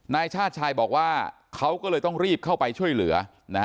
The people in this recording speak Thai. นายชาติชายบอกว่าเขาก็เลยต้องรีบเข้าไปช่วยเหลือนะฮะ